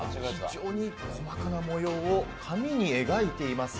非常に細かな模様を紙に描いています。